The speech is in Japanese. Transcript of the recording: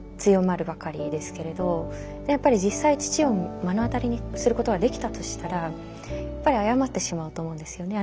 やっぱり実際父を目の当たりにすることができたとしたらやっぱり謝ってしまうと思うんですよね。